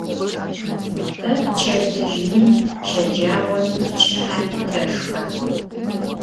Te pçedızjımi, şecağomi, pçıhemi teşşxe.